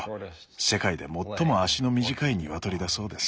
世界で最も足の短いニワトリだそうです。